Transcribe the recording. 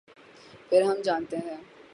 پھر ہم جانتے ہیں۔